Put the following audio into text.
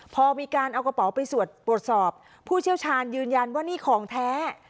พอมีการเอากระเป๋าไปตรวจสอบผู้เชี่ยวชาญยืนยันว่านี่ของแท้